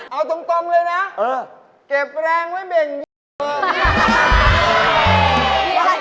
เอาตรงเลยนะเก็บแรงไว้เบ่งเยี่ยว